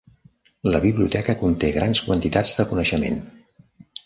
La biblioteca conté grans quantitats de coneixement.